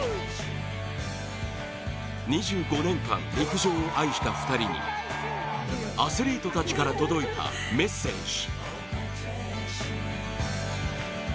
２５年間、陸上を愛した２人にアスリートたちから届いたメッセージ。